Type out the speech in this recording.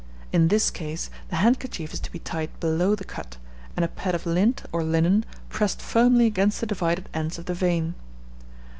In this case, the handkerchief is to be tied below the cut, and a pad of lint or linen pressed firmly against the divided ends of the vein.